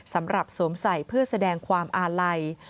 สำหรับสวมใส่เพื่อแสดงความอาลัย